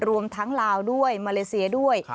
รวมทั้งลาวด้วยมาเลเซียด้วย